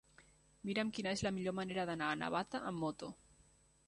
Mira'm quina és la millor manera d'anar a Navata amb moto.